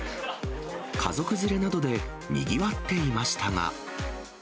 家族連れなどでにぎわっていましたが。